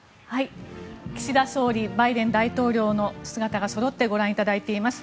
岸田総理、バイデン大統領の姿がそろってご覧いただいています。